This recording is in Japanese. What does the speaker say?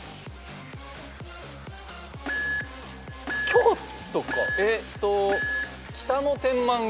京都かえっと。